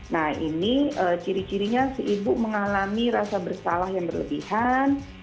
nah ini ciri cirinya si ibu mengalami rasa bersalah yang berlebihan